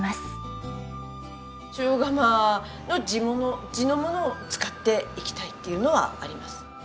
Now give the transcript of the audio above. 塩竈の地物地のものを使っていきたいっていうのはあります。